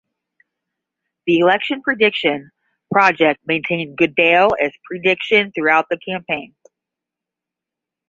The Election Prediction Project maintained Goodale as their prediction throughout the campaign.